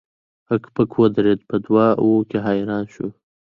هک پک ودریده په دوه وو کې حیران شو.